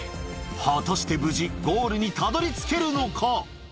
果たして無事ゴールにたどり着けるのか？